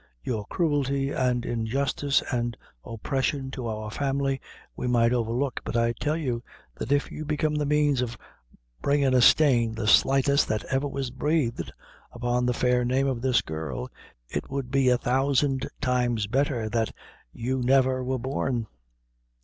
Your cruelty, and injustice, and oppression to our family, we might overlook; but I tell you, that if you become the means of bringin' a stain the slightest that ever was breathed upon the fair name of this girl, it would be a thousand times betther that you never were born."